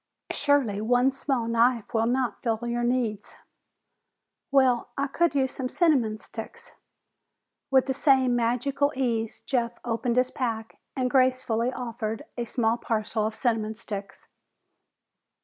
"Surely one small knife will not fill your needs?" "Well, I could use some cinnamon sticks." With the same magical ease, Jeff opened his pack and gracefully offered a small parcel of cinnamon sticks.